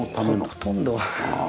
ほとんど。